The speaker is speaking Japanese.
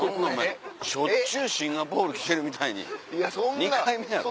しょっちゅうシンガポール来てるみたいに２回目やろ？